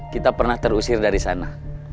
kita pernah terusir dari sana